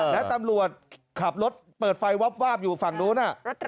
และตำรวจขับรถเปิดไฟวับวาบอยู่ฝั่งนู้น